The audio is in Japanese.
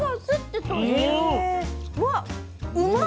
うわっ！